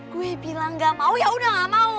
gue bilang gak mau yaudah gak mau